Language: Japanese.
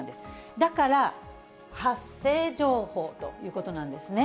だから、発生情報ということなんですね。